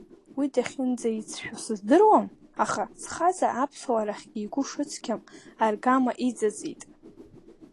Уи дахьынӡаицәшәо сыздыруам, аха схаҵа аԥсуаа рахьгьы игәы шыцқьам аргама иҵыҵит.